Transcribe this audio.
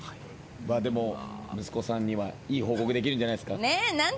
でも息子さんには、いい報告できるんじゃないですか？